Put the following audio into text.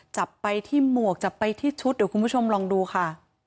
จับไปที่หมวกจับไปที่ชุดเดี๋ยวคุณผู้ชมลองดูค่ะ